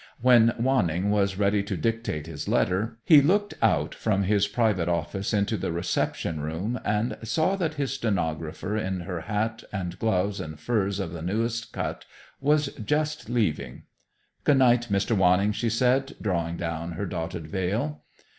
When Wanning was ready to dictate his letter, he looked out from his private office into the reception room and saw that his stenographer in her hat and gloves, and furs of the newest cut, was just leaving. "Goodnight, Mr. Wanning," she said, drawing down her dotted veil.